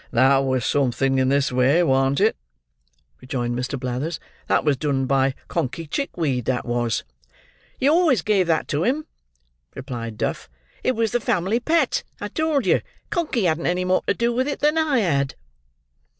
"That was something in this way, warn't it?" rejoined Mr. Blathers; "that was done by Conkey Chickweed, that was." "You always gave that to him" replied Duff. "It was the Family Pet, I tell you. Conkey hadn't any more to do with it than I had."